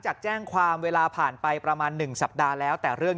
จากแจ้งความเวลาผ่านไปประมาณ๑สัปดาห์แล้วแต่เรื่อง